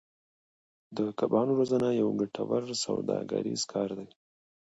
د کبانو روزنه یو ګټور سوداګریز کار دی.